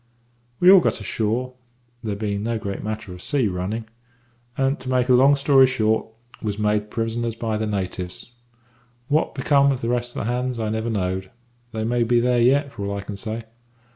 "We all got ashore, there bein' no great matter of a sea running, and, to make a long story short, was made prisoners by the natives. What become of the rest of the hands I never knowed they may be there yet for all I can say.